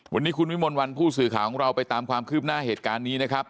วันนี้คุณวิมลวันผู้สื่อข่าวของเราไปตามความคืบหน้าเหตุการณ์นี้นะครับ